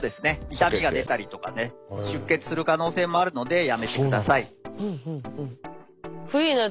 痛みが出たりとかね出血する可能性もあるのでやめてください。